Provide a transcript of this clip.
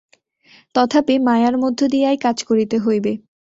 তথাপি মায়ার মধ্য দিয়াই কাজ করিতে হইবে।